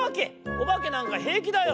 おばけなんかへいきだよ」。